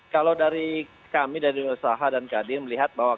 kalau dari kami dari usaha dan kadin melihat bahwa